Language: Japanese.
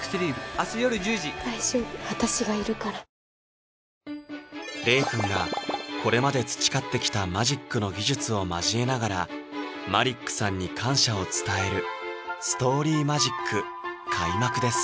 「氷結」玲くんがこれまで培ってきたマジックの技術を交えながらマリックさんに感謝を伝えるストーリーマジック開幕です